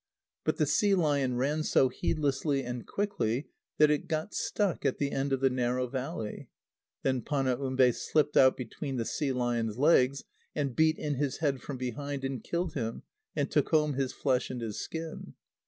But the sea lion ran so heedlessly and quickly that it got stuck at the end of the narrow valley. Then Panaumbe slipped out between the sea lion's legs, and beat in his head from behind, and killed him, and took home his flesh and his skin.